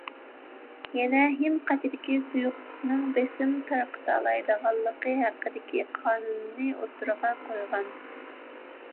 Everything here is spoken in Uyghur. يەنە ھىم قاچىدىكى سۇيۇقلۇقنىڭ بېسىم تارقىتالايدىغانلىقى ھەققىدىكى قانۇننى ئوتتۇرىغا قويغان.